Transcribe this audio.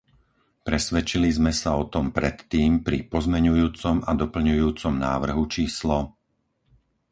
Presvedčili sme sa o tom predtým pri pozmeňujúcom a doplňujúcom návrhu číslo